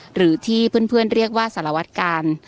หรือที่เพื่อนเรียกว่าสารวัตกาล